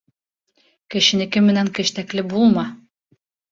Кешенеке менән кештәкле булма.